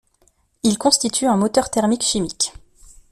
Il constitue un moteur thermique chimique.